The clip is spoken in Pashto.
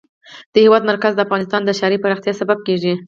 د هېواد مرکز د افغانستان د ښاري پراختیا سبب کېږي.